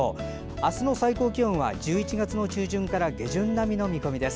明日の最高気温は１１月中旬から下旬並みの見込みです。。